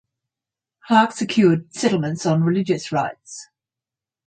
Clarke secured settlements on religious rights.